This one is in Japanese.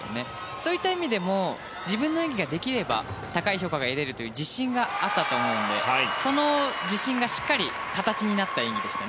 そういった意味でも自分の演技ができれば高い評価が得られるという自信があったと思うのでその自信がしっかり形になった演技でした。